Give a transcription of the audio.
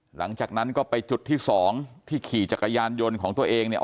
หลังจากนั้นก็ไปจุดที่สองที่ขี่จักรยานยนต์ของตัวเองเนี่ย